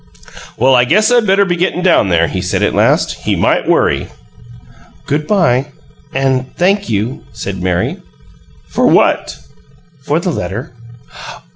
"Well, I guess I better be gettin' down there," he said, at last. "He might worry." "Good by and thank you," said Mary. "For what?" "For the letter."